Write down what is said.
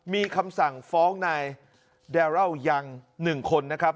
มีคำสั่งฟ้องนายแดรัลยัง๑คนนะครับ